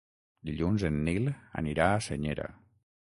Dilluns en Nil anirà a Senyera.